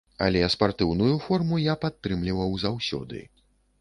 Але спартыўную форму я падтрымліваў заўсёды.